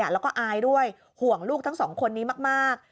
แล้วก็อายด้วยห่วงลูกทั้งสองคนนี้มาก